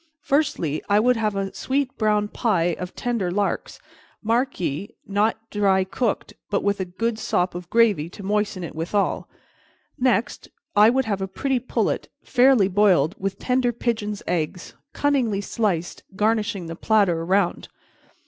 "Firstly, I would have a sweet brown pie of tender larks; mark ye, not dry cooked, but with a good sop of gravy to moisten it withal. Next, I would have a pretty pullet, fairly boiled, with tender pigeons' eggs, cunningly sliced, garnishing the platter around.